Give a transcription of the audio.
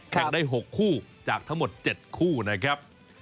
แข่งได้๖คู่จากทั้งหมด๗คู่นะครับ